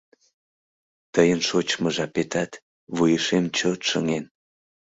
Тыйын шочмо жапетат вуешем чот шыҥен.